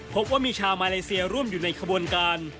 พบว่ามีชาวมาเลเซียร่วมอยู่ในขบวนการ